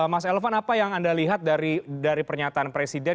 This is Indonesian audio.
mas elvan apa yang anda lihat dari pernyataan presiden